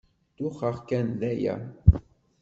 Duxeɣ kan, d aya.